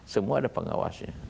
semua ada pengawasnya